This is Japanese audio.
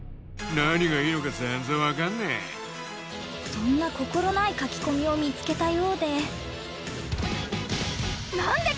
「そんな心ない書き込みを見つけたようで」。